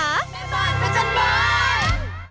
แม่บ้านพระจันทร์บ้าน